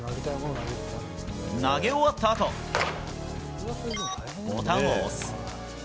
投げ終わったあと、ボタンを押す。